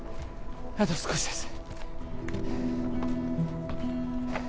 あと少しです